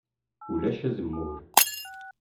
Ulac azemmur.